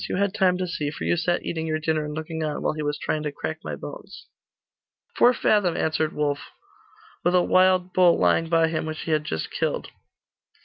You had time to see, for you sat eating your dinner and looking on, while he was trying to crack my bones.' 'Four fathom,' answered Wulf. 'With a wild bull lying by him, which he had just killed.